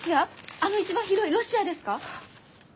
あの一番広いロシアですか！？